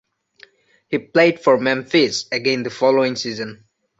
He played for Memphis again the following season.